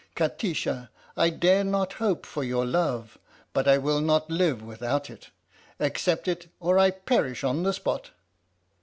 Kati sha, I dare not hope for your love, but I will not live without it! Accept it or I perish on the spot!